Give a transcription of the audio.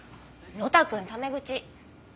呂太くんタメ口。